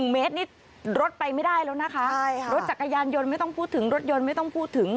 ๑เมตรนี่รถไปไม่ได้แล้วนะคะรถจักรยานยนต์ไม่ต้องพูดถึงรถยนต์ไม่ต้องพูดถึง